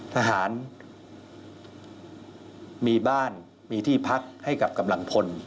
ทหารมีบ้านมีที่พักให้กับกำลังพล